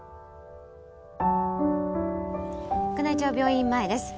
宮内庁病院前です。